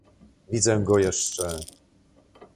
"Widzę go jeszcze."